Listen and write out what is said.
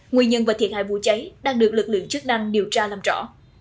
nguyên nhân và thiệt hại vụ cháy đang được lực lượng chức năng điều tra làm rõ